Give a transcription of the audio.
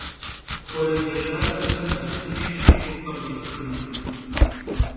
Xuerece şabexem nexh tınşşş kupkhır khipxınu.